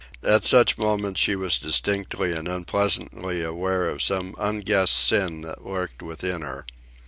At such moments she was distinctly and unpleasantly aware of some unguessed sin that lurked within her.